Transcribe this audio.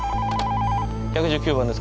１１９番です。